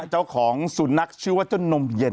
เจ้าของสุนัขชื่อว่าเจ้านมเย็น